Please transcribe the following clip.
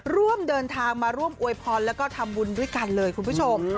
ร่วมเดินทางมาร่วมอวยพรแล้วก็ทำบุญด้วยกันเลยคุณผู้ชม